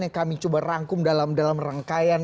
yang kami coba rangkum dalam rangkaian